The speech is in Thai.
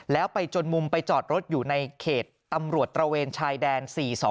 แล้วไปจนมุมไปจอดรถอยู่ในเขตตำรวจตระเวนชายแดน๔๒